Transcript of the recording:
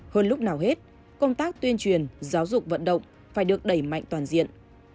hơn lúc nào hết công tác tuyên truyền giáo dục vận động phải được đẩy mạnh toàn diện